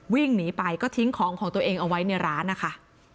วิ่งหนีไปก็ทิ้งของของตัวเองเอาไว้ในร้านนะคะ